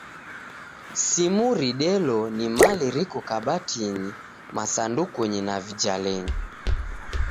Simu ridelo ni mali riko kabatinyi, masandukunyi, na vijalenyi.